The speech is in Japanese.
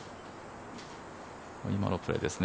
今のプレーですね。